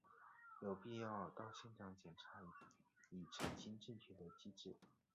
有必要到现场检查以澄清正确的机制。